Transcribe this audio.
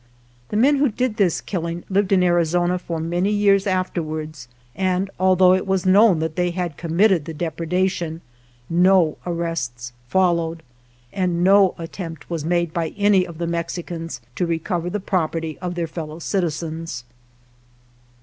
The men who did this killing lived in Arizona for many years afterwards, and although it was known that they had com mitted the depredation, no arrests followed, and no attempt was made by any of the Mexicans to recover the property of their fellow citizens.